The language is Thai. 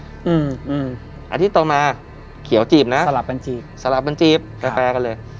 อาทิตย์ต่อมาเขียวจีบนะสลับเป็นจีบแฟร์กันเลย